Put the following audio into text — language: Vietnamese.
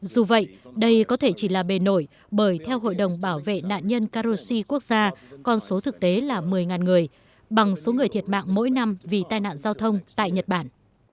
dù vậy đây có thể chỉ là bề nổi bởi theo hội đồng bảo vệ nạn nhân karosy quốc gia con số thực tế là một mươi người bằng số người thiệt mạng mỗi năm vì tai nạn giao thông tại nhật bản